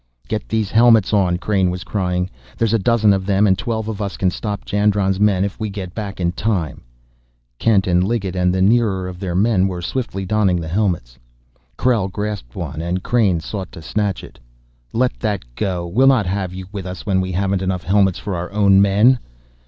"Get these helmets on!" Crain was crying. "There's a dozen of them, and twelve of us can stop Jandron's men if we get back in time!" Kent and Liggett and the nearer of their men were swiftly donning the helmets. Krell grasped one and Crain sought to snatch it. "Let that go! We'll not have you with us when we haven't enough helmets for our own men!"